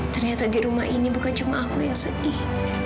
ternyata di rumah ini bukan cuma aku yang sedih